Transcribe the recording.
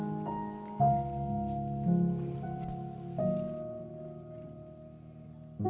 kekuatan yang lebih baik